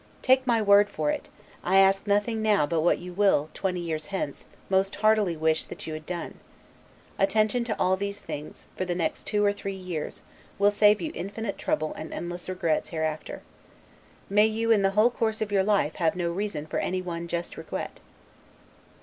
Take my word for it, I ask nothing now but what you will, twenty years hence, most heartily wish that you had done. Attention to all these things, for the next two or three years, will save you infinite trouble and endless regrets hereafter. May you, in the whole course of your life, have no reason for any one just regret!